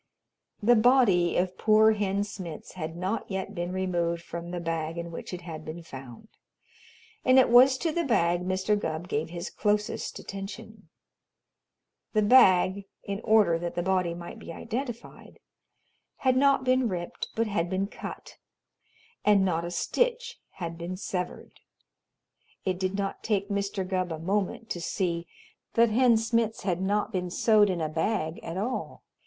The body of poor Hen Smitz had not yet been removed from the bag in which it had been found, and it was to the bag Mr. Gubb gave his closest attention. The bag in order that the body might be identified had not been ripped, but had been cut, and not a stitch had been severed. It did not take Mr. Gubb a moment to see that Hen Smitz had not been sewed in a bag at all.